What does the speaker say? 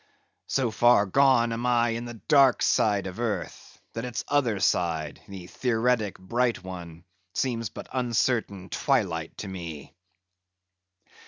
So far gone am I in the dark side of earth, that its other side, the theoretic bright one, seems but uncertain twilight to me.